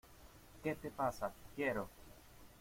¿ Qué te pasa? Quiero...